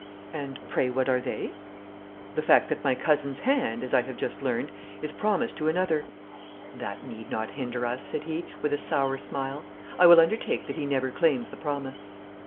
'And pray what are they?' 'The fact that my cousin's hand, as I have just learned, is promised to another.' 'That need not hinder us,' said he, with a sour smile; 'I will undertake that he never claims the promise.'